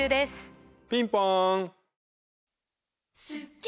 ピンポン！